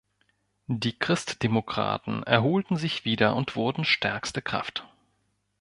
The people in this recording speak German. Die Christdemokraten erholten sich wieder und wurden stärkste Kraft.